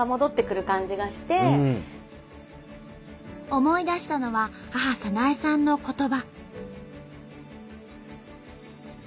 思い出したのは母早苗さんの言葉。